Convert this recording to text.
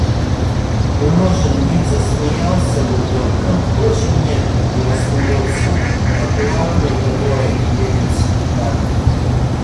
Ну, может быть, засмеялся бы только... Впрочем, нет, не рассмеется, — аккуратный такой немец, педант.